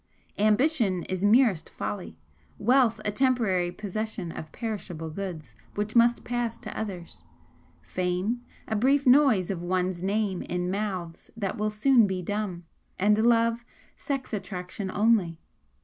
Ambition is merest folly, wealth a temporary possession of perishable goods which must pass to others, fame a brief noise of one's name in mouths that will soon be dumb, and love, sex attraction only.